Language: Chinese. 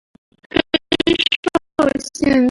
非受限自由球员可以自行选择签约的球队。